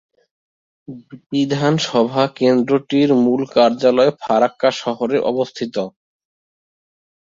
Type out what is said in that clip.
বিধানসভা কেন্দ্রটির মূল কার্যালয় ফারাক্কা শহরে অবস্থিত।